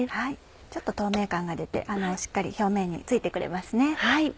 ちょっと透明感が出てしっかり表面に付いてくれますね。